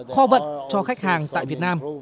khó vận cho khách hàng tại việt nam